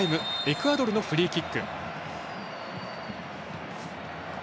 エクアドルのフリーキック。